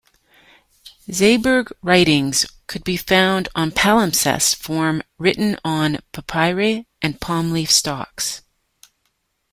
Zabur Writings could be found on palimpsest form written on papyri or palm-leaf stalks.